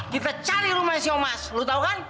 kita cari rumahnya si om mas lo tau kan